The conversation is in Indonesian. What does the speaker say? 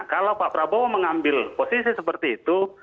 kalau pak prabowo mengambil posisi seperti itu